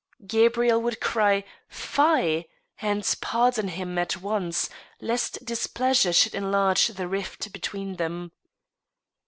Gabrielle would cry " Fie !" and pardon him at once, lest displeas ure should enlarge the rift between them.